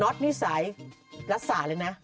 น็อตนิสัยรักษาเลยนะ